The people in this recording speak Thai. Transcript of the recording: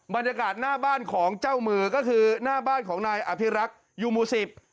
บรรยากาศหน้าบ้านของเจ้ามือก็คือหน้าบ้านของนายอภิรักษ์ยูมูสิบ